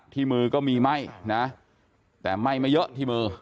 ที่มือก็มีไหม้นะแต่ไหม้ไม่เยอะที่มือ